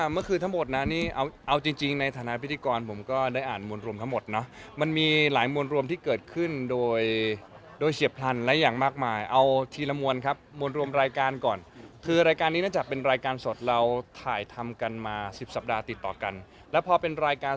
เมื่อคืนรยาลังบ้านดักมาก